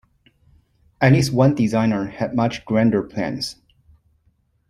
At least one designer had much grander plans.